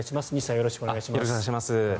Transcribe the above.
よろしくお願いします。